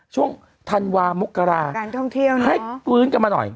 ช่วงทันวามุกกระให้ฟื้นกันมาหน่อย